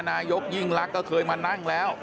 นายกยิ่งลักษณ์ก็เคยมานั่งแล้ว